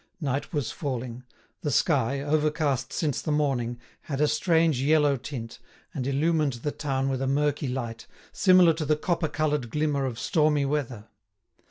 Night was falling; the sky, overcast since the morning, had a strange yellow tint, and illumined the town with a murky light, similar to the copper coloured glimmer of stormy weather.